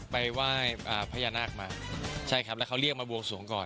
ไปไหว้พญานาคมาใช่ครับแล้วเขาเรียกมาบวงสวงก่อน